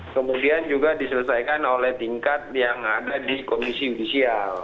kemudian juga diselesaikan oleh tingkat yang ada di komisi yudisial